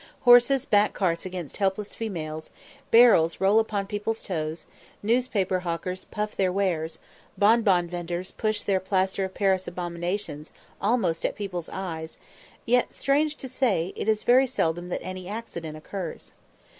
Horses back carts against helpless females, barrels roll upon people's toes, newspaper hawkers puff their wares, bonbon venders push their plaster of Paris abominations almost at people's eyes, yet, strange to say, it is very seldom that any accident occurs.